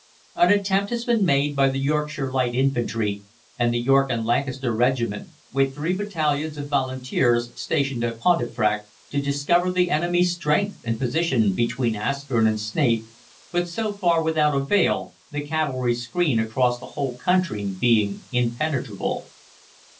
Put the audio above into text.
"An attempt has been made by the Yorkshire Light Infantry and the York and Lancaster Regiment, with three battalions of Volunteers stationed at Pontefract, to discover the enemy's strength and position between Askern and Snaith, but so far without avail, the cavalry screen across the whole country being impenetrable.